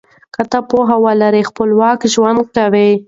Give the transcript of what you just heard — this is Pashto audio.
که ته پوهه ولرې خپلواک ژوند کوې.